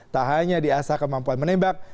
tak hanya di asah kemampuan menembak